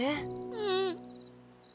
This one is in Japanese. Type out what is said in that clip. うん？